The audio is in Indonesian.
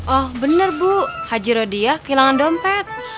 oh bener bu haji rodia kehilangan dompet